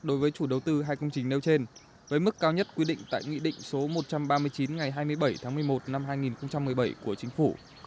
đối với chủ đầu tư hai công trình nêu trên với mức cao nhất quy định tại nghị định số một trăm ba mươi chín ngày hai mươi bảy tháng một mươi một năm hai nghìn một mươi bảy của chính phủ